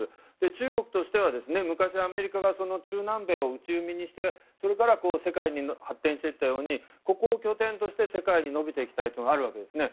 中国としては昔はアメリカが中南米を内海にして世界に発展していったようにここを拠点として世界に伸びていきたいというのがあるわけですね。